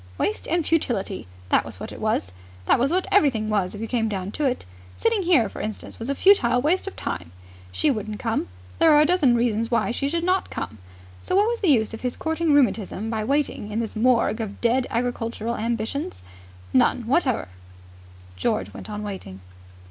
Waste and futility! That was what it was. That was what everything was, if you came down to it. Sitting here, for instance, was a futile waste of time. She wouldn't come. There were a dozen reasons why she should not come. So what was the use of his courting rheumatism by waiting in this morgue of dead agricultural ambitions? None whatever George went on waiting.